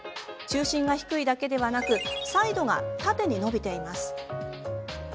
中心が低いだけではなくサイドが縦に伸びています。